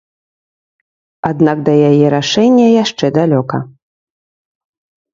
Аднак да яе рашэння яшчэ далёка.